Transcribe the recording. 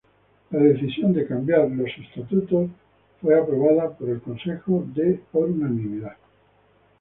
La decisión de cambiar los estatutos fue aprobada por el Consejo por unanimidad.